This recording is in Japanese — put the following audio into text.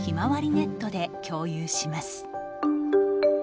ネットで共有します。